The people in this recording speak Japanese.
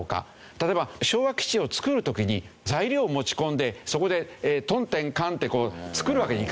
例えば昭和基地を作る時に材料を持ち込んでそこでトンテンカンって作るわけにいかないでしょ。